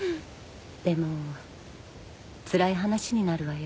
でもつらい話になるわよ。